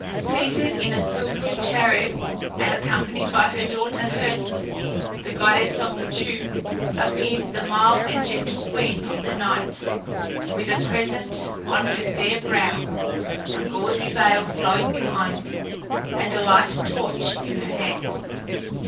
Seated in a silvery chariot, and accompanied by her daughter Herse, the goddess of the dew, appeared the mild and gentle queen of the night, with a crescent on her fair brow, a gauzy veil flowing behind, and a lighted torch in her hand.